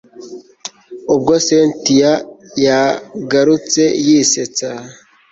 ubwo cyntia yagarutse yisetsa